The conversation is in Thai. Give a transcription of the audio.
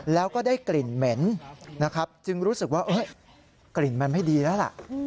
แล้วก็ได้กลิ่นเหม็นนะครับจึงรู้สึกว่ากลิ่นมันไม่ดีแล้วล่ะ